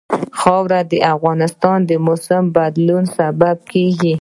خاوره د افغانستان د موسم د بدلون سبب کېږي.